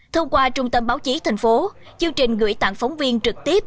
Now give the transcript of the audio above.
thông qua trung tâm báo chí thành phố chương trình gửi tặng phóng viên trực tiếp